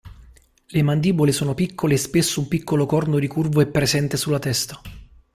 Le mandibole sono piccole e spesso un piccolo corno ricurvo è presente sulla testa.